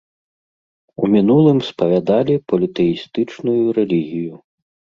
У мінулым спавядалі політэістычную рэлігію.